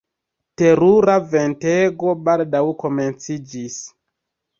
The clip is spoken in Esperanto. Terura ventego baldaŭ komenciĝis.